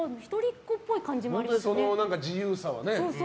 この自由さはね。